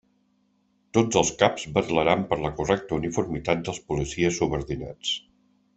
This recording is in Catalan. Tots els caps vetlaran per la correcta uniformitat dels policies subordinats.